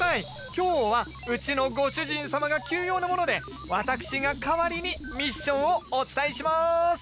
今日はうちのご主人様が急用なもので私が代わりにミッションをお伝えします！